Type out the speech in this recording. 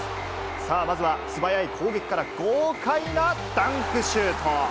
さあ、まずは素早い攻撃から豪快なダンクシュート。